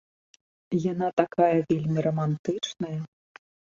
Яна такая вельмі рамантычная.